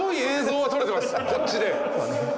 こっちで。